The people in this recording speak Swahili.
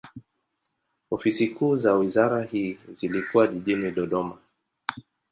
Ofisi kuu za wizara hii zilikuwa jijini Dodoma.